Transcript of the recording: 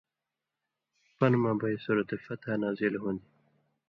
پن٘دہۡ مہ بئ سورۃ الفتح نازِل ہُون٘دیۡ،